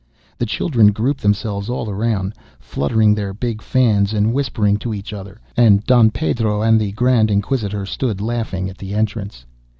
The children grouped themselves all round, fluttering their big fans and whispering to each other, and Don Pedro and the Grand Inquisitor stood laughing at the entrance.